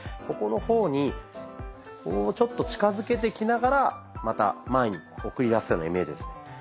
ここの方にこうちょっと近づけてきながらまた前に送り出すようなイメージですね。